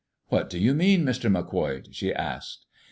"What do you mean, Mr. Macquoid?" she asked.